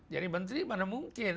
jadi menteri mana mungkin